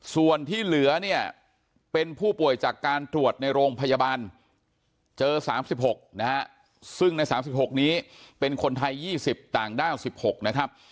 ส่วนที่เหลือเนี่ยเป็นผู้ป่วยจากการตรวจในโรงพยาบาลเจอ๓๖นะฮะซึ่งใน๓๖นี้เป็นคนไทย๒๐ต่างด้าว๑๖นะครับ